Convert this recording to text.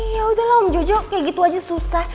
yaudah lah om jojo kayak gitu aja susah